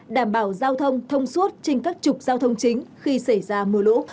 đảm bảo giao thông thông suốt trên các trục giao thông chính khi xảy ra mưa lũ